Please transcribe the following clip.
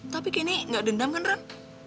tapi kendi gak dendam kan ran